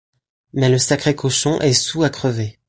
Mais le sacré cochon est soûl à crever!